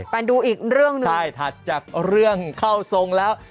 ไปดูอีกเรื่องหนึ่งใช่ถัดจากเรื่องเข้าทรงแล้ว